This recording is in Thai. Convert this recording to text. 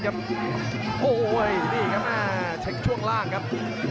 โอ้โหนี่ครับเช็คช่วงล่างครับ